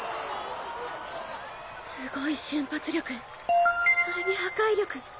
すごい瞬発力それに破壊力